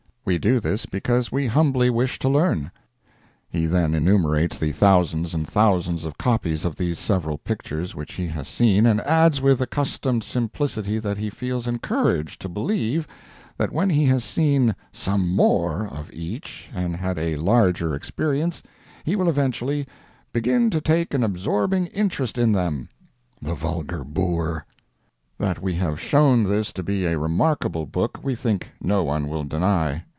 We do this because we humbly wish to learn. He then enumerates the thousands and thousands of copies of these several pictures which he has seen, and adds with accustomed simplicity that he feels encouraged to believe that when he has seen "SOME MORE" of each and had a larger experience, he will eventually "begin to take an absorbing interest in them"—the vulgar boor. That we have shown this to be a remarkable book, we think no one will deny.